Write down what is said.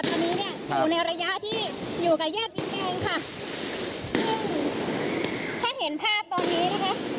ตอนนี้เนี่ยอยู่ในระยะที่อยู่กับแยกดินแดงค่ะซึ่งถ้าเห็นภาพตอนนี้นะคะ